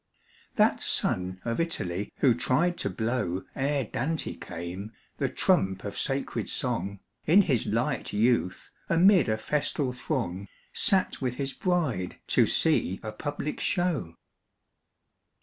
_ That son of Italy who tried to blow, Ere Dante came, the trump of sacred song, In his light youth amid a festal throng Sate with his bride to see a public show.